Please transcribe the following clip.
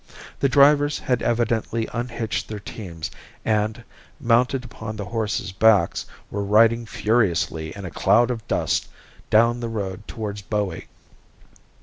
The drivers had evidently unhitched their teams and, mounted upon the horses' backs, were riding furiously in a cloud of dust down the road towards Bowie.